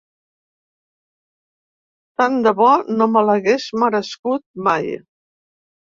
Tant de bo no me l’hagués merescut mai.